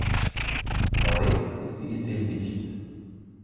Neu ist die Idee nicht.